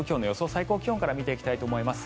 最高気温から見ていきたいと思います。